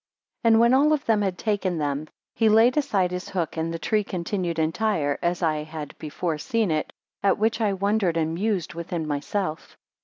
3 And when all of them had taken them, he laid aside his hook, and the tree continued entire, as I had before seen it; at which I wondered, and mused within myself.